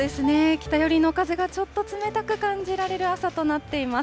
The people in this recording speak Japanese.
北寄りの風がちょっと冷たく感じられる朝となっています。